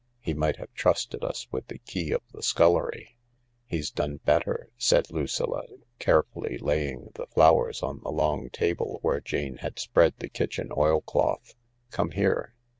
He might have trusted us with the key of the scullery I " "He's done better," said Lucilla, carefully laying the flowers on the long table where Jane had spread the kitchen oilcloth. " Come here."